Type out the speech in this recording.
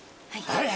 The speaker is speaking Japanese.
はい。